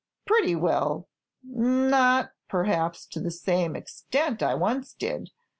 "Pretty well; not, perhaps, to the same extent I once did.